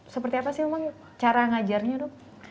seperti apa sih memang cara ngajarnya dok